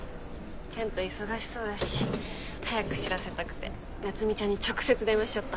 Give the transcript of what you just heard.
健人忙しそうだし早く知らせたくて夏海ちゃんに直接電話しちゃった。